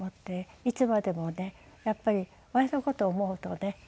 いつまでもねやっぱり親の事を思うとねあっ